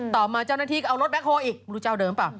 ต่อมาเจ้าหน้าที่ก็เอารถแบ็คโฮอีกไม่รู้เจ้าเดิมเปล่า